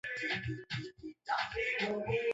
majibu yote Wala majibu haya si yale ambayo